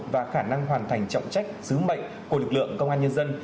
và khả năng hoàn thành trọng trách sứ mệnh của lực lượng công an nhân dân